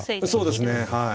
そうですねはい。